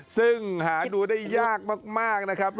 ซึ่งหาดูได้ยากมากนะครับ